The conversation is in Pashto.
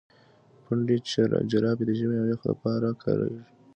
پنډي جراپي د ژمي او يخ د پاره کاريږي.